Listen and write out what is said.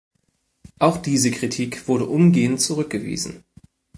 Auch diese Kritik wurde umgehend zurückgewiesen.